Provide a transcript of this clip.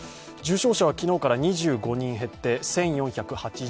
重症者は昨日から２４人減って１４６１人。